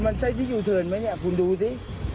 มันใช่อยู่เทินไหมนี่คุณดูสิ